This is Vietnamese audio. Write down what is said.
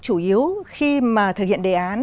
chủ yếu khi mà thực hiện đề án